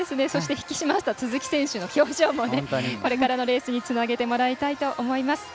引き締まった鈴木選手の表情もこれからのレースにつなげてもらいたいと思います。